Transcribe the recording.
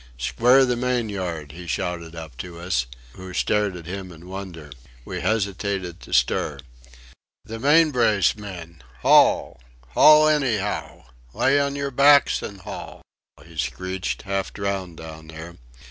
"Square the main yard!" he shouted up to us who stared at him in wonder. We hesitated to stir. "The main brace, men. Haul! haul anyhow! Lay on your backs and haul!" he screeched, half drowned down there.